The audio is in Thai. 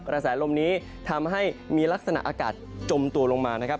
กระแสลมนี้ทำให้มีลักษณะอากาศจมตัวลงมานะครับ